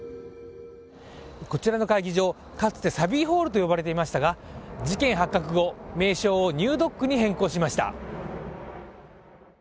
こちらの会議場、かつてサヴィルホールと呼ばれていましたが事件発覚後、名称をＮＥＷＤＯＣＫに変更しました。